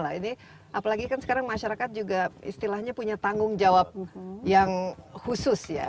apalagi kan sekarang masyarakat juga istilahnya punya tanggung jawab yang khusus ya